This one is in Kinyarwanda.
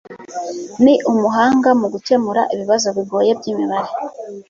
Ni umuhanga mu gukemura ibibazo bigoye byimibare.